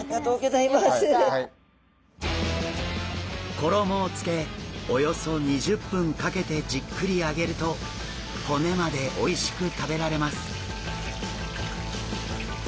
衣をつけおよそ２０分かけてじっくり揚げると骨までおいしく食べられます。